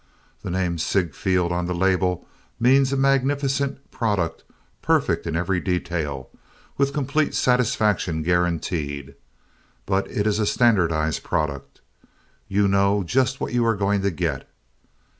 The name Ziegfeld on the label means a magnificent product perfect in every detail with complete satisfaction guaranteed, but it is a standardized product. You know just what you are going to get.